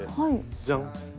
じゃん。